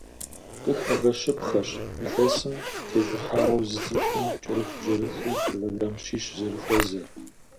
Къыхэгъэщыпхъэщ, илъэсым тещӏыхьауэ зы цӏыхум кӏэрыхубжьэрыхуу килограмм щищ зэрыхуэзэр.